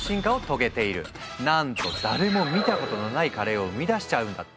なんと誰も見たことのないカレーを生み出しちゃうんだって。